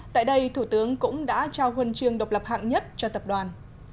tại đây thủ tướng cũng đã trao huân chương độc lập hạng nhất cho tập đoàn